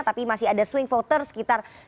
tapi masih ada swing voter sekitar